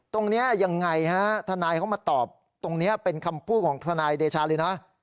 ตรงนี้ยังไงฮะทนายเขามาตอบตรงนี้เป็นคำพูดของทนายเดชาเลยนะ